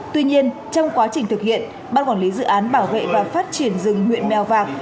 tuy nhiên trong quá trình thực hiện ban quản lý dự án bảo vệ và phát triển rừng huyện mèo vạc